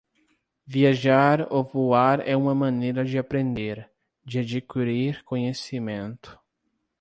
Viajar ou voar é uma maneira de aprender, de adquirir conhecimento.